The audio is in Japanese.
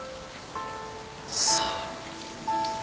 さあ。